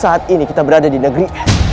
saat ini kita berada di negeri